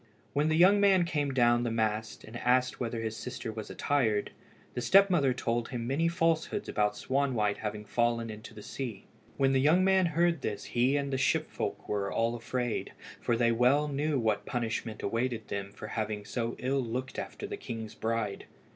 When the young man came down the mast, and asked whether his sister was attired, the step mother told him many falsehoods about Swanwhite having fallen into the sea. When the young man heard this he and all the ship folk were afraid, for they well knew what punishment awaited them for having so ill looked after the king's bride.